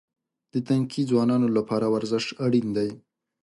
د تنکي ځوانانو لپاره ورزش اړین دی.